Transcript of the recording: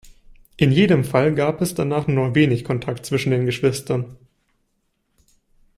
In jedem Fall gab es danach nur noch wenig Kontakt zwischen den Geschwistern.